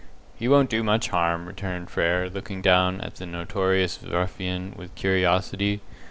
"He won't do much harm," returned Frere, looking down at the notorious ruffian with curiosity.